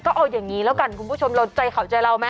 ก็เอาอย่างนี้แล้วกันคุณผู้ชมเราใจเขาใจเราไหม